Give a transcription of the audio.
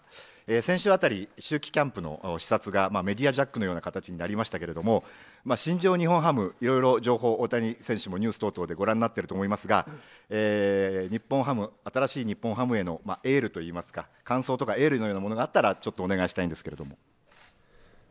先週あたり、秋季キャンプの視察がメディアジャックのような形になりましたが、新庄日本ハム、いろいろ情報を大谷選手もニュース等々でご覧になっていると思いますが、日本ハム、新しい日本ハムへのエールといいますか、感想とかエールのようなものがあったらちょっとお願いしたいんですけれども。